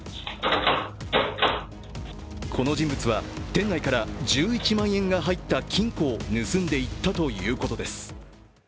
この人物は店内から１１万円が入った金庫を盗んでいったということです。